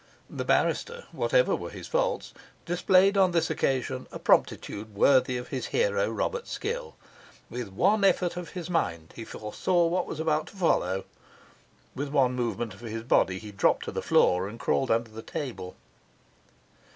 The barrister (whatever were his faults) displayed on this occasion a promptitude worthy of his hero, Robert Skill; with one effort of his mind he foresaw what was about to follow; with one movement of his body he dropped to the floor and crawled under the table.